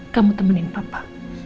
kamu temanin papa